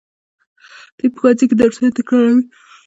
دوی په ښوونځي کې درسونه تکراروي.